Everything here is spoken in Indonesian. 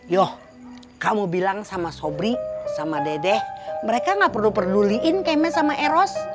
yoh kamu bilang sama sobri sama dedek mereka gak perlu peduliin keme sama eros